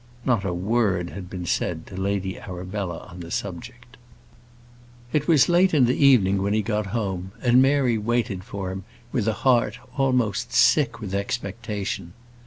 Not a word had been said to Lady Arabella on the subject. It was late in the evening when he got home, and Mary waited for him with a heart almost sick with expectation.